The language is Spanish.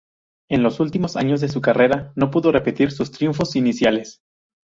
En los últimos años de su carrera no pudo repetir sus triunfos iniciales.